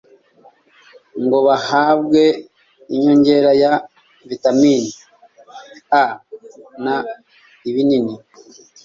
ngo bahabwe inyongera ya vitamini a n'ibinini